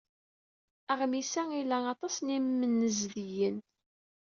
Aɣmis-a ila aṭas n yimnezdiyen.